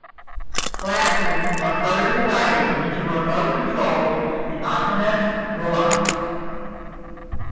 Classes are further divided into remote-controlled and autonomous robots.